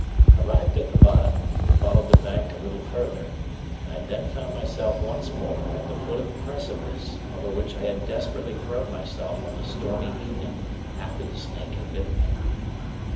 Arrived at the bottom, we followed the bank a little further, and I then found myself once more at the foot of the precipice over which I had desperately thrown myself on the stormy evening after the snake had bitten me.